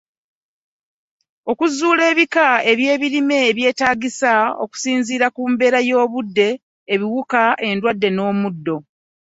Okuzuula ebika by'ebirime ebyetaagisa okusinziira ku mbeera y’obudde, ebiwuka, endwadde, n’omuddo.